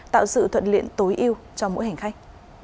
tạo sự thuận luyện tối yêu cho mỗi hành khách